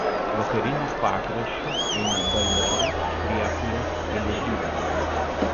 Vakariniu pakraščiu eina Bajorų–Priekulės geležinkelis.